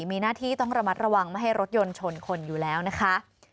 มีหน้าที่ต้องระมัดระวังไม่ให้รถยนต์ชนคนอยู่แล้วนะคะ